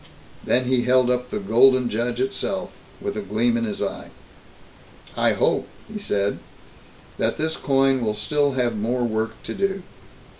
Then he held up the "Golden Judge" itself, with a gleam in his eye. "I hope," he said, "that this coin will have still more work to do.